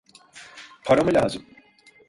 Para mı lazım?